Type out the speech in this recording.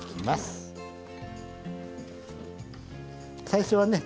最初はね